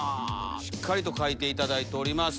しっかりと書いていただいております。